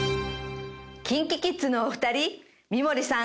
ＫｉｎＫｉＫｉｄｓのお二人三森さん